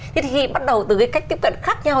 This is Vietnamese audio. thế thì bắt đầu từ cái cách tiếp cận khác nhau